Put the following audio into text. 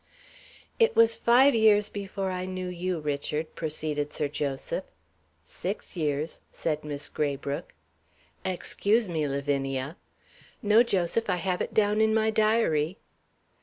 "It was five years before I knew you, Richard," proceeded Sir Joseph. "Six years," said Miss Graybrooke. "Excuse me, Lavinia." "No, Joseph, I have it down in my diary."